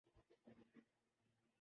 Serena Williams امیر ترین خاتون ایتھلیٹ قرار